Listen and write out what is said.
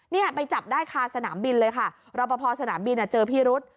เนี่ยไปจับได้ค่ะสนามบินเลยค่ะรับภพรศนามบินอะเจอพี่รุ๊ต